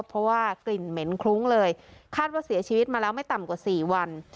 เพราะว่ากลิ่นเหม็นคลุ้งเลยคาดว่าเสียชีวิตมาแล้วไม่ต่ำกว่าสี่วัน